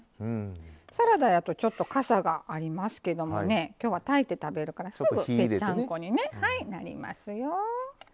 サラダやと、ちょっとかさがありますけどきょうは炊いて食べるからすぐぺっちゃんこになりますよ。